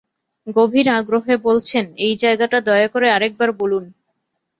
গভীর আগ্রহে বলছেন, এই জায়গাটা দয়া করে আরেক বার বলুন।